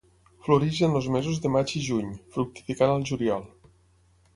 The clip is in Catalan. Floreix en els mesos de maig i juny, fructificant al juliol.